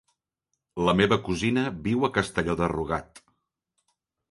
La meva cosina viu a Castelló de Rugat.